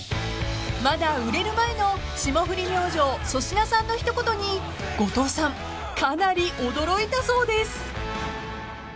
［まだ売れる前の霜降り明星粗品さんの一言に後藤さんかなり驚いたそうです］